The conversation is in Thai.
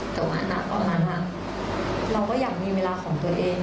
แต่ว่าณตอนนั้นเราก็อยากมีเวลาของตัวเอง